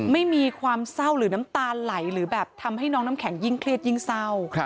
ไม่มีความเศร้าหรือน้ำตาไหลหรือแบบทำให้น้องน้ำแข็งยิ่งเครียดยิ่งเศร้า